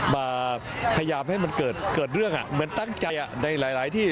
มาพยายามให้มันเกิดเรื่องเหมือนตั้งใจในหลายที่